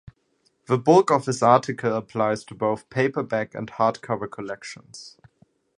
The bulk of this article applies to both paperback and hardcover collections.